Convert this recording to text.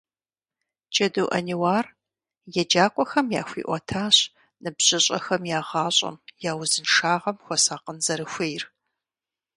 Джэду Ӏэниуар еджакӏуэхэм яхуиӀуэтащ ныбжьыщӀэхэм я гъащӀэм, я узыншагъэм хуэсакъын зэрыхуейр.